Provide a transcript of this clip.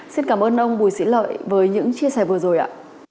xin cảm ơn ông bùi sĩ lợi với những chia sẻ vừa rồi ạ